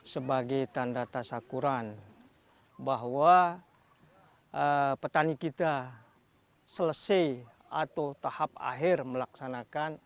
sebagai tanda tasakuran bahwa petani kita selesai atau tahap akhir melaksanakan